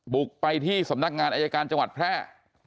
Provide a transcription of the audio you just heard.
บุกไปที่สำนักงานอายการจังหวัดแพร่